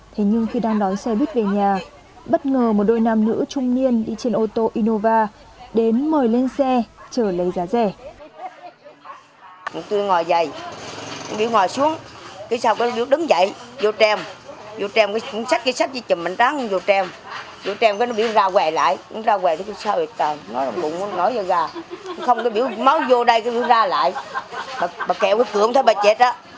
thế nhưng khi đang đói xe buýt về nhà bất ngờ một đôi nam nữ trung niên đi trên ô tô innova đến mời lên xe trở lấy giá rẻ